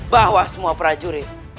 bahwa semua prajurit